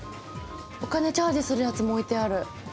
お金チャージするやつも置いてある。